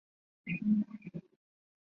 终仕礼部右侍郎。